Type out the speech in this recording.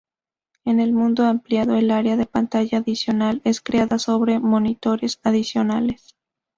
En el modo "Ampliado" el área de pantalla adicional es creada sobre monitores adicionales.